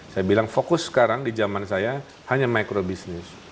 saya bilang fokus sekarang di zaman saya hanya micro business